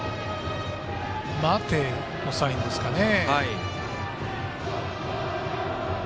待てのサインですかね。